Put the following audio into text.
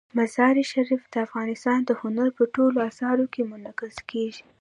مزارشریف د افغانستان د هنر په ټولو اثارو کې منعکس کېږي.